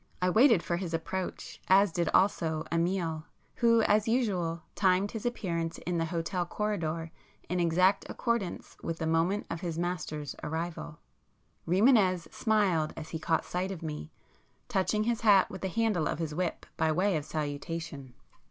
I waited for his approach, as did also Amiel, who as usual timed his appearance in the hotel corridor in exact accordance with the moment of his master's arrival. Rimânez smiled as he caught sight of me, touching his hat with the handle of his whip by way of salutation.